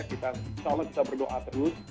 kita insya allah kita berdoa terus